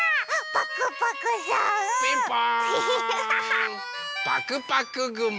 パクパクぐも！